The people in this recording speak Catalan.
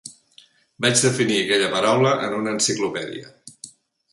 Vaig definir aquella paraula en una enciclopèdia.